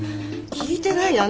聞いてないよ。